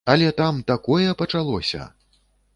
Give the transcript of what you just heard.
Але там такое пачалося!